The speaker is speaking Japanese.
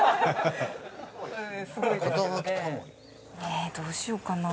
えどうしようかな。